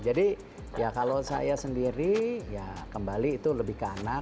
jadi ya kalau saya sendiri ya kembali itu lebih ke anak